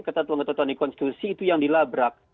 pertotohan di konstitusi itu yang dilabrak